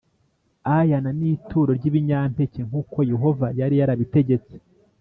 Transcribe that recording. Aana n’ituro ry’ibinyampeke nk’uko Yehova yari yarabitegetse